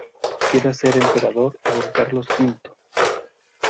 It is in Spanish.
quiero hacer emperador a Don Carlos V.